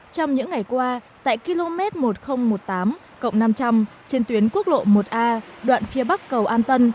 trong những ngày qua tại km một nghìn một mươi tám năm trăm linh trên tuyến quốc lộ một a đoạn phía bắc cầu an tân